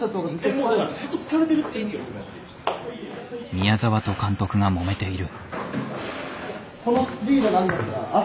宮澤と監督がもめている。